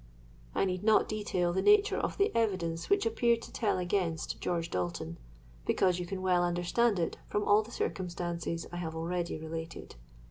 I need not detail the nature of the evidence which appeared to tell against George Dalton; because you can well understand it from all the circumstances I have already related.